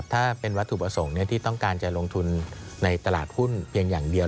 ถ้าเป็นวัตถุประสงค์ที่ต้องการจะลงทุนในตลาดหุ้นเพียงอย่างเดียว